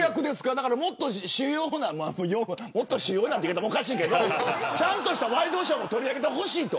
もっと主要なというのもおかしいけどちゃんとしたワイドショーも取り上げてほしいと。